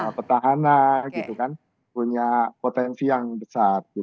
karena petahana gitu kan punya potensi yang besar